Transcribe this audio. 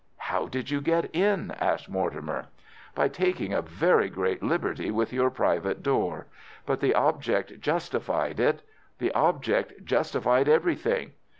"How did you get in?" asked Mortimer. "By taking a very great liberty with your private door. But the object justified it. The object justified everything.